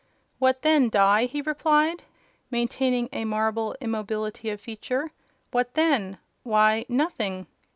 "What then, Die?" he replied, maintaining a marble immobility of feature. "What then? Why—nothing.